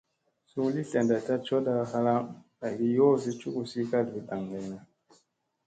Suu li tlada coda halaŋ aygi yoosi cugusi kalfi daŋgayna.